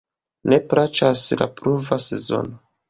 Ne plaĉas la pluva sezono.